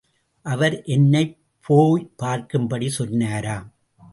அவர் என்னைப் போய் பார்க்கும்படி சொன்னாராம்.